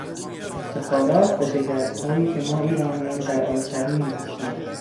افتخارات و شکستهایی که ما ایرانیان در آن سهیم هستیم